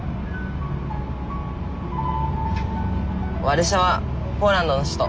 ワルシャワポーランドの首都。